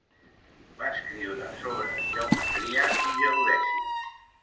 Va escriure sobre geometria i geodèsia.